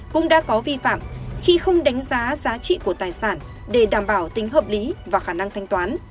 cũng đã có vi phạm khi không đánh giá giá trị của tài sản để đảm bảo tính hợp lý và khả năng thanh toán